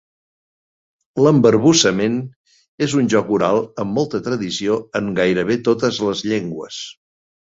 L'embarbussament és un joc oral amb molta tradició en gairebé totes les llengües.